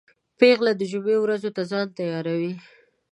پیاله د جمعې ورځو ته ځان تیاروي.